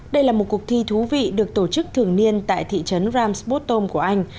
đây là một cuộc thi thú vị được tổ chức thường niên tại thị trấn ramsbotom của anh